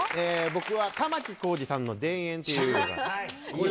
僕は玉置浩二さんの『田園』っていうのが。